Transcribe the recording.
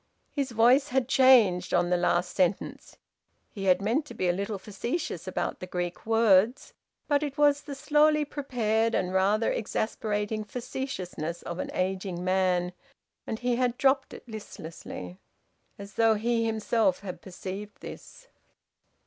His voice had changed on the last sentence. He had meant to be a little facetious about the Greek words; but it was the slowly prepared and rather exasperating facetiousness of an ageing man, and he had dropped it listlessly, as though he himself had perceived this.